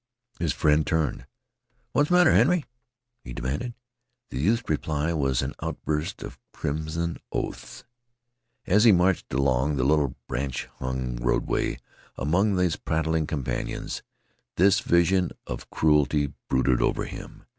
His friend turned. "What's the matter, Henry?" he demanded. The youth's reply was an outburst of crimson oaths. As he marched along the little branch hung roadway among his prattling companions this vision of cruelty brooded over him.